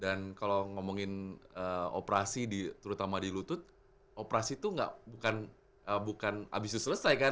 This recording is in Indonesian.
dan kalau ngomongin operasi terutama di lutut operasi tuh gak bukan abis itu selesai kan